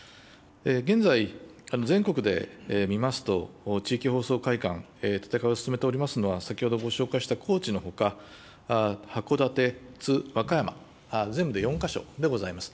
現在、全国で見ますと、地域放送会館、建て替えを進めておりますのは、先ほどご紹介した高知のほか、函館、津、和歌山、全部で４か所でございます。